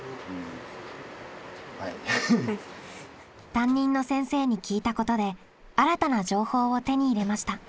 担任の先生に聞いたことで新たな情報を手に入れました。